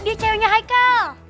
dia ceweknya haikel